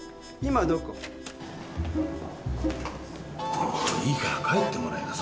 もういいから帰ってもらいなさい。